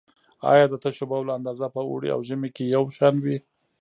آیا د تشو بولو اندازه په اوړي او ژمي کې یو شان وي؟